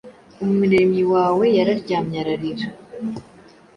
Umuremyi wawe yararyamye ararira